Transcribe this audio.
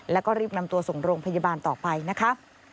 แล้วก็รีบนำตัวส่งโรงพยาบาลต่อไปนะคะ